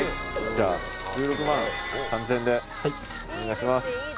じゃあ１６万３，０００円でお願いします。